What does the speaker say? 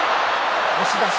押し出し。